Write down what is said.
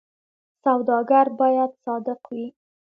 سوداګر باید صادق وي